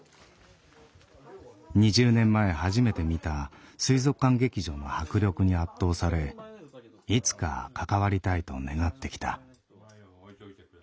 ２０年前初めて見た水族館劇場の迫力に圧倒されいつか関わりたいと願ってきた。